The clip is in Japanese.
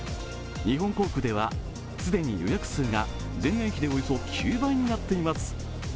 日本航空では既に予約数が前年比でおよそ９倍になっています。